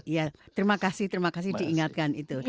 ya terima kasih terima kasih diingatkan itu